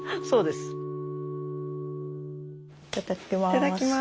いただきます。